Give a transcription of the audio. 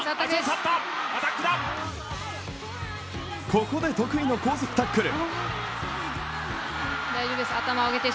ここで得意の高速タックル。